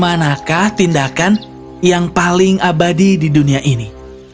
manakah tindakan yang paling abadi di dunia ini